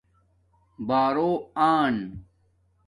بارݸ آن